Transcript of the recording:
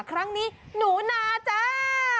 ครั้งนี้หนูนาจ้า